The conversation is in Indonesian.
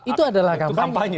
itu adalah kampanye